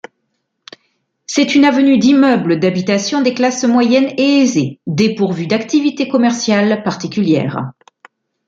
C'est une avenue d'immeubles d'habitation des classes moyennes et aisées, dépourvue d'activités commerciales particulières.